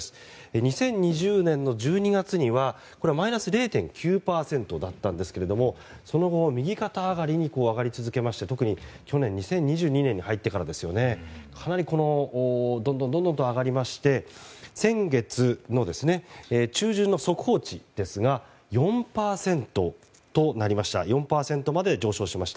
２０２０年の１２月にはマイナス０．９％だったんですがその後右肩上がりに上がり続けまして特に、去年２０２２年に入ってからかなり、どんどんと上がりまして先月中旬の速報値で４％まで上昇しました。